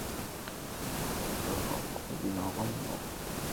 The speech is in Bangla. কারণ, সামগ্রিক বাজারের ওপর স্বল্প মূলধনি এসব কোম্পানির প্রভাব খুবই নগণ্য।